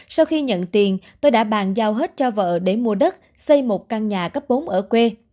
sau khi nhận tiền tôi đã bàn giao hết cho vợ để mua đất xây một căn nhà cấp bốn ở quê